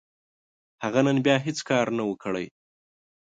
هغه نن بيا هيڅ کار نه و، کړی.